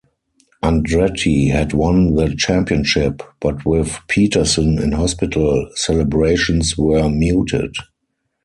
Andretti had won the championship, but with Peterson in hospital, celebrations were muted.